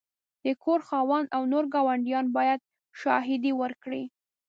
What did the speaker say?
د کور خاوند او نور ګاونډیان باید شاهدي ورکړي.